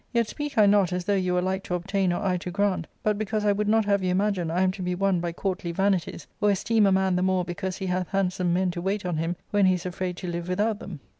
Yet speak I not as though you were like to obtain or I to grant, but because I would not have you imagine I am to be won by courtly vanities, or esteem a man the more because he hath handsome men to wait on him, when he is afraid to live with out them."